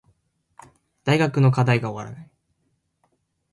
大学の課題が終わらない